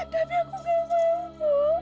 tapi aku gak mau